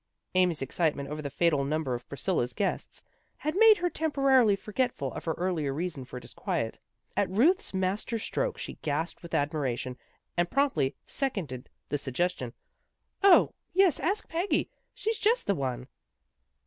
" Amy's excitement over the fatal number of Priscilla's guests had made her temporarily forgetful of her earlier reason for disquiet. At Ruth's master stroke, she gasped with admiration, and promptly seconded the sug gestion. " O, yes, ask Peggy. She's just the one."